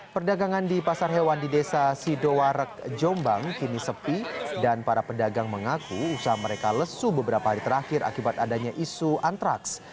perdagangan di pasar hewan di desa sidoarek jombang kini sepi dan para pedagang mengaku usaha mereka lesu beberapa hari terakhir akibat adanya isu antraks